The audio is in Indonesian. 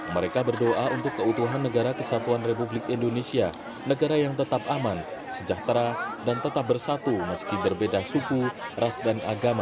mereka berdoa untuk keutuhan negara kesatuan republik indonesia negara yang tetap aman sejahtera dan tetap bersatu meski berbeda suku ras dan agama